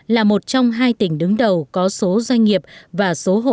là một trong những doanh nghiệp đối với các doanh nghiệp đối với các doanh nghiệp đối với các doanh nghiệp